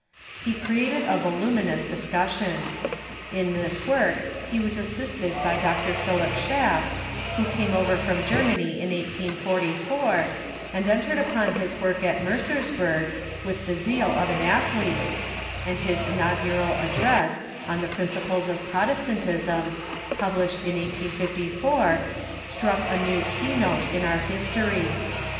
He created a voluminous discussion. In this work he was assisted by Dr. Philip Schaff, who came over from German}^ in 1844, and entered upon his work at Mercersburg with the zeal of an athlete, and his inaugural address on the Principles of Prot estantism, published in 1854, struck a new key note in our his tory.